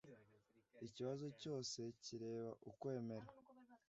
ikibazo cyose kireba Ukwemera